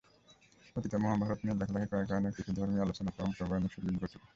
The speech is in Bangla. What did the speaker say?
অতীতে মহাভারত নিয়ে লেখালেখির কারণে কিছু ধর্মীয় আলোচনাতেও অংশগ্রহণের সুযোগ ঘটল।